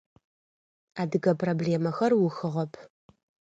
Адыгэ проблемэхэр ухыгъэп.